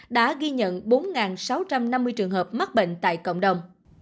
đã ghi nhận bốn sáu trăm năm mươi trường hợp mắc bệnh tại cộng đồng